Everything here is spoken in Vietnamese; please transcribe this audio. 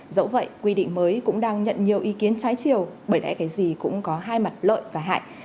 dẫu vậy quy định mới cũng đang nhận nhiều ý kiến trái chiều bởi lẽ cái gì cũng có hai mặt lợi và hại